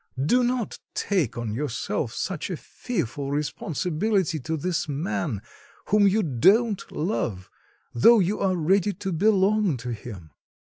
Do not take on yourself such a fearful responsibility to this man, whom you don't love, though you are ready to belong to him."